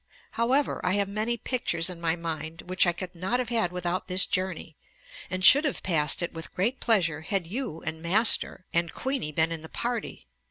However, I have many pictures in my mind, which I could not have had without this journey; and should have passed it with great pleasure had you, and Master, and Queeney been in the party.